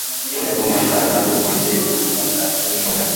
তোমার দাদা তোমার চেয়ে বুদ্ধিমান তাতে আমি সম্পূর্ণ একমত।